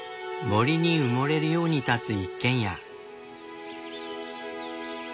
森に埋もれるように立つ一軒家。